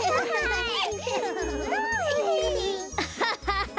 アッハハハ。